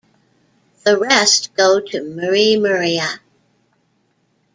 The rest go to Murimuria.